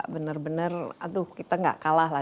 bener bener aduh kita gak kalah lah